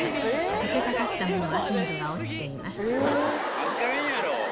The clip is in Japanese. とけかかったものは鮮度が落ちています。